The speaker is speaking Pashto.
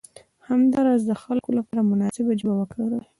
همداراز د خلکو لپاره مناسبه ژبه وکاروئ.